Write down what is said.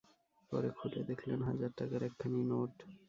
পরে খুলে দেখলেম হাজার টাকার একখানি নোট।